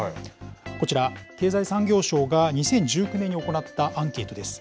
こちら、経済産業省が２０１９年に行ったアンケートです。